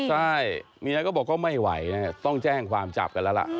เส้นใจเมียบอกว่าไม่ไหวต้องแจ้งความจับกันแล้วล่ะ